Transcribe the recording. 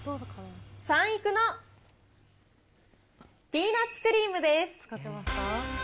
三育のピーナッツクリームです。